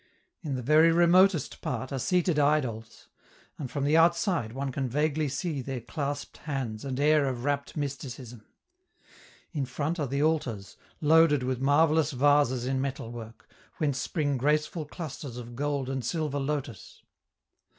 In the very remotest part are seated idols, and from outside one can vaguely see their clasped hands and air of rapt mysticism; in front are the altars, loaded with marvellous vases in metalwork, whence spring graceful clusters of gold and silver lotus.